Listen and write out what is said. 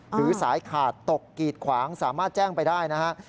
หรือสายขาดตกกีดขวางสามารถแจ้งไปได้นะครับ